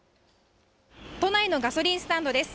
都内のガソリンスタンドです。